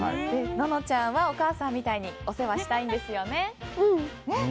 ののちゃんはお母さんみたいにお世話したいんですよね。